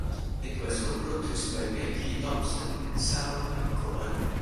It was co-produced by Peggy Thompson and Sharon McGowan.